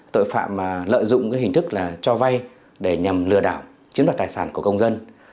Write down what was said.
tội phạm mà lợi dụng cái hình thức là cho vay để nhằm lừa đảo chiếm đoạt tài sản của công dân